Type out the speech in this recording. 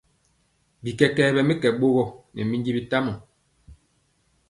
Bikɛkɛ ɓɛ mi kɛ ɓogɔ nɛ minji bitama.